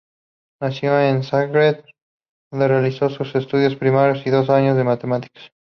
Nació en Zagreb, donde realizó sus estudios primarios y dos años de matemáticas.